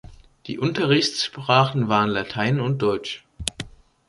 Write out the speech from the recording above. Die Unterrichtssprachen waren Latein und Deutsch.